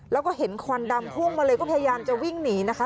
แล้วก็เห็นควันดำพุ่งมาเลยก็พยายามจะวิ่งหนีนะคะ